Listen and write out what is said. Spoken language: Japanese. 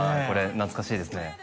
これ懐かしいですね